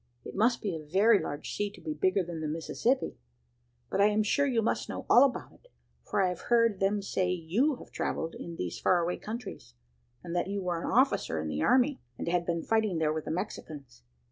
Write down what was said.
It must be a very large sea to be bigger than the Mississippi! But I am sure you must know all about it, for I have heard them say you have travelled in these far away countries, and that you were an officer in the army, and had been fighting there with the Mexicans.